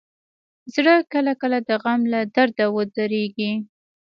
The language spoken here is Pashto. زړه کله کله د غم له درده ودریږي.